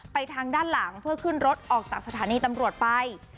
ทางด้านหลังเพื่อขึ้นรถออกจากสถานีตำรวจไป